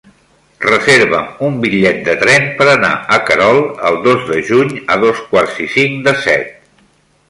Reserva'm un bitllet de tren per anar a Querol el dos de juny a dos quarts i cinc de set.